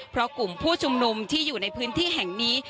เพราะกลุ่มผู้ชุมนุมที่อยู่ในพื้นที่แห่งนี้